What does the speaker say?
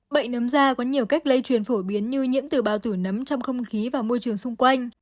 bệnh nấm da có nhiều cách lây truyền phổ biến như nhiễm từ bao tử nấm trong không khí và môi trường xung quanh